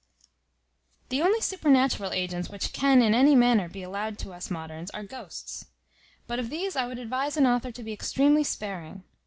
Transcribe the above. The only supernatural agents which can in any manner be allowed to us moderns, are ghosts; but of these I would advise an author to be extremely sparing.